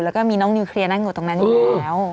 แล้วก็มีน้องนิวเคลียร์นั่งอยู่ตรงนั้นอยู่แล้ว